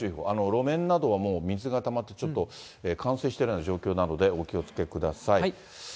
路面などはもう水がたまって、ちょっと冠水してるような状況なので、お気をつけください。